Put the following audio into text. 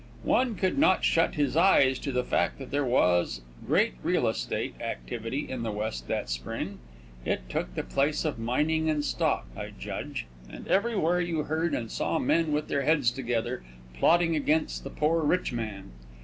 One could not shut his eyes to the fact that there was great real estate activity in the West that spring. It took the place of mining and stock, I judge, and everywhere you heard and saw men with their heads together plotting against the poor rich man.